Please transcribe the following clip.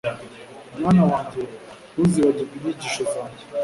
mwana wanjye, ntuzibagirwe inyigisho zanjye